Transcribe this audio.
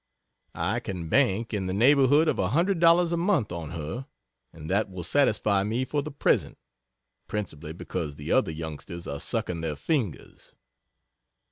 I can "bank" in the neighborhood of $100 a month on her, and that will satisfy me for the present (principally because the other youngsters are sucking their fingers.)